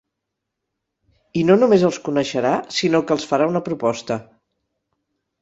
I no només els coneixerà, sinó que els farà una proposta.